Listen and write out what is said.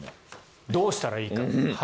どうしたらいいか。